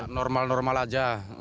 nggak normal normal aja